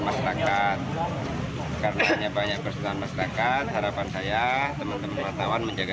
masyarakat karena hanya banyak persoalan masyarakat harapan saya teman teman wartawan menjaga